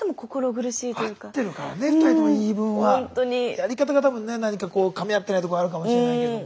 やり方が多分ね何かこうかみ合ってないとこはあるかもしれないけども。